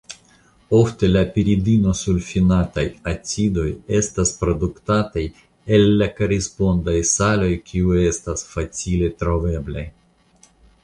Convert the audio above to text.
Ofte la piridinosulfinataj acidoj estas produktataj el la korespondaj saloj kiuj estas facile troveblaj.